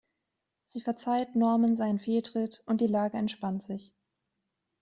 Sie verzeiht Norman seinen Fehltritt, und die Lage entspannt sich.